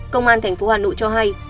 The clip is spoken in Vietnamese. công an tp hà nội cho hay